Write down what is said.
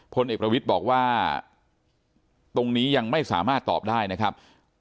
พลเอกประวิทย์บอกว่าตรงนี้ยังไม่สามารถตอบได้นะครับ